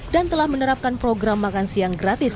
dan telah menerapkan program makan siang gratis